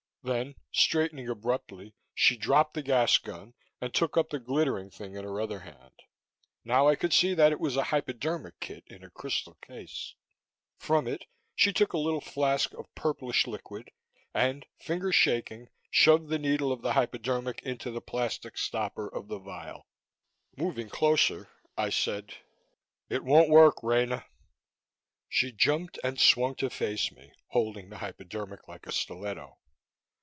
Then, straightening abruptly, she dropped the gas gun and took up the glittering thing in her other hand. Now I could see that it was a hypodermic kit in a crystal case. From it she took a little flask of purplish liquid and, fingers shaking, shoved the needle of the hypodermic into the plastic stopper of the vial. Moving closer, I said: "It won't work, Rena." She jumped and swung to face me, holding the hypodermic like a stiletto.